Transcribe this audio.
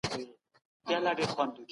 لیکوال کرکټر ته ژوند وربښي.